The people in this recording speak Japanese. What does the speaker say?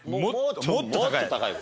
もっと高いやつ。